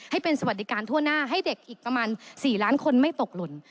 ให้เป็นสวัสดิการทั่วหน้าให้เด็กอีกประมาณ๔ล้านคนไม่ตกหล่น